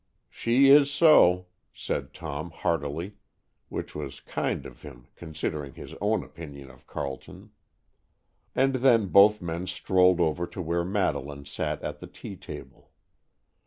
"She is so," said Tom, heartily, which was kind of him, considering his own opinion of Carleton. And then both men strolled over to where Madeleine sat at the tea table.